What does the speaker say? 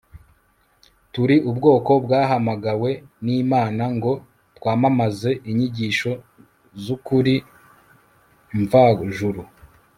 turi ubwoko bwahamagawe n'imana ngo twamamaze inyigisho z'ukuri mvajuru